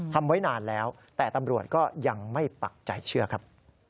แต่ตำรวจก็ยังไม่ปักใจเชื่อครับ